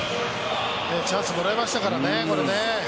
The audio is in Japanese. チャンスもらいましたからね。